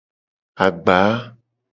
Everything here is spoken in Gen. Agba.